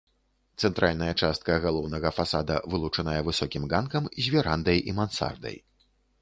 Цэнтральная частка галоўнага фасада вылучаная высокім ганкам з верандай і мансардай.